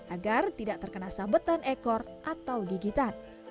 agar tidak terkena sampahnya